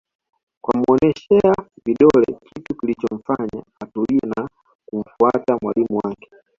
Kwa kumuoneshea kidole kitu kilichomfanya atulie na kumfuata mwalimu wake